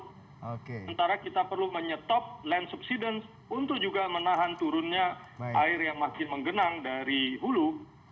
sementara kita perlu menyetop land subsidence untuk juga menahan turunnya air yang makin menggenang dari hulu